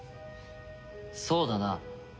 そうだな。